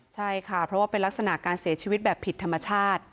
ใช่ค่ะเพราะว่าเป็นลักษณะการเสียชีวิตแบบผิดธรรมชาติ